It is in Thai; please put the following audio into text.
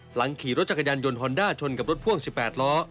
หลังขี่รถจักรยานยนต์ฮอนด้าชนกับรถพ่วง๑๘ล้อ